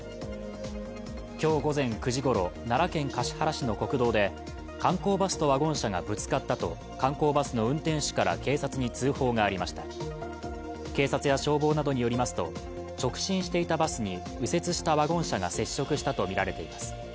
今日午前９時ごろ、奈良県橿原市の国道で観光バスとワゴン車がぶつかったと観光バスの運転手から警察に通報がありました警察や消防などによりますと直進していたバスに右折したワゴン車が接触したとみられています。